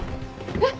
えっ？